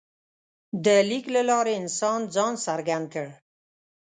د لیک له لارې انسان ځان څرګند کړ.